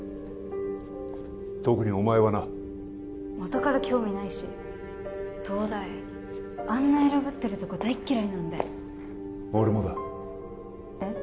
特にお前はな元から興味ないし東大あんな偉ぶってるとこ大っ嫌いなんで俺もだえっ？